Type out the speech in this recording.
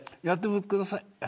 やってください。